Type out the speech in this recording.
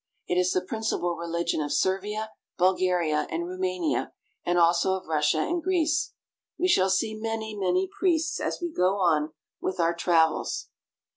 It is the principal religion of Servia, Bulgaria, and Roumania, and also of Russia and Greece. We shall see many, many priests as we go on with our travels.